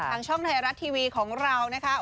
ทางช่องไทยรัฐทีวีของเรานะคะ